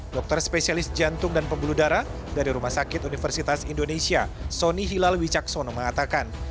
dokter spesialis jantung dan pembuluh darah dari rumah sakit universitas indonesia sony hilal wicaksono mengatakan